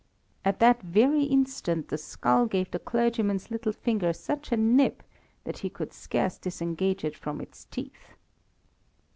"At that very instant the skull gave the clergyman's little finger such a nip that he could scarce disengage it from its teeth.